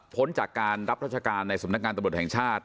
จากการรับราชการในสำนักงานตำรวจแห่งชาติ